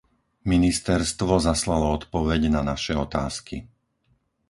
Ministerstvo zaslalo odpoveď na naše otázky.